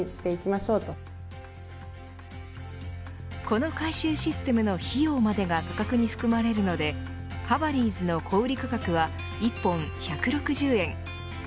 この回収システムの費用までが価格に含まれるのでハバリーズの小売価格は一本１６０円。